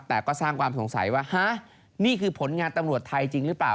แต่ก็สร้างความสงสัยว่าฮะนี่คือผลงานตำรวจไทยจริงหรือเปล่า